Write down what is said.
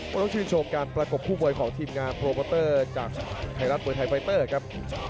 ต้องชื่นชมการประกบคู่มวยของทีมงานโปรโมเตอร์จากไทยรัฐมวยไทยไฟเตอร์ครับ